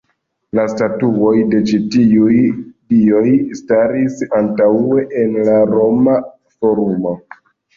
La statuoj de ĉi tiuj dioj staris antaŭe en la Roma Forumo.